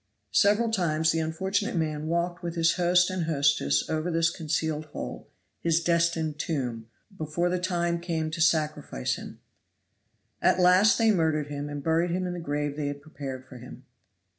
Several times the unfortunate man walked with his host and hostess over this concealed hole, his destined tomb, before the time came to sacrifice him. At last they murdered him and buried him in the grave they had prepared for him.